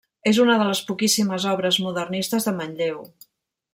És una de les poquíssimes obres modernistes de Manlleu.